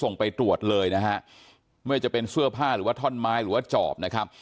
ไม่ว่าจะเป็นเสื้อผ้าหรือว่าท่อนไม้หรือว่าจอบนะครับ